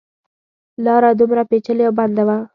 لاره دومره پېچلې او بنده وه.